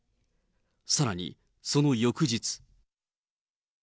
さらにその翌日。